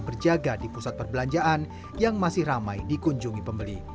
berjaga di pusat perbelanjaan yang masih ramai dikunjungi pembeli